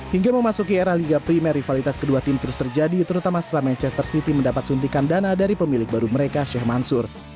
hingga memasuki era liga primer rivalitas kedua tim terus terjadi terutama setelah manchester city mendapat suntikan dana dari pemilik baru mereka sheikh mansur